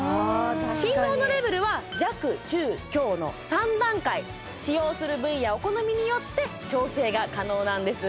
振動のレベルは弱中強の３段階使用する部位やお好みによって調整が可能なんです